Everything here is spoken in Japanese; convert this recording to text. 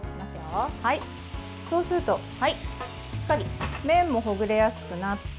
そうすると、しっかり麺もほぐれやすくなって。